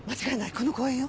この公園よ。